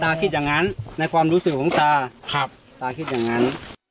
คิดอย่างนั้นในความรู้สึกของตาตาคิดอย่างนั้น